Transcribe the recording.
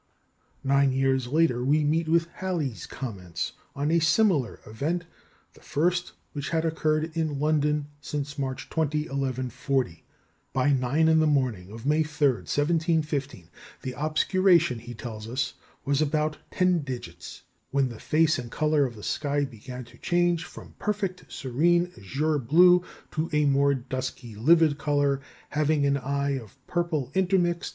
Nine years later we meet with Halley's comments on a similar event, the first which had occurred in London since March 20, 1140. By nine in the morning of May 3, 1715, the obscuration, he tells us, "was about ten digits, when the face and colour of the sky began to change from perfect serene azure blue to a more dusky livid colour, having an eye of purple intermixt....